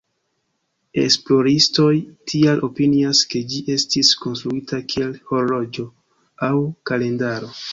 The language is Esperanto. Esploristoj tial opinias, ke ĝi estis konstruita kiel horloĝo aŭ kalendaro.